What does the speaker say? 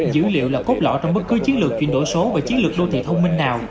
dữ liệu là cốt lõi trong bất cứ chiến lược chuyển đổi số và chiến lược đô thị thông minh nào